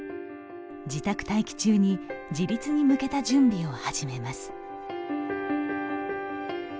自宅待機中に自立に向けた準備を始めます。